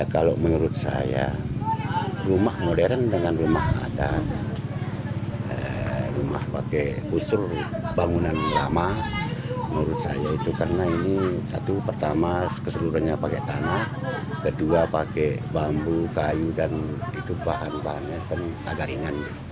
kalau menurut saya rumah modern dengan rumah adat rumah pakai gustur bangunan lama menurut saya itu karena ini satu pertama keseluruhannya pakai tanah kedua pakai bambu kayu dan itu bahan bahannya kan agak ringan